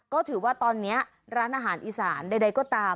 ก็ถือว่าตอนนี้ร้านอาหารอีสานใดก็ตาม